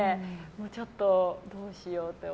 ちょっと、どうしようって。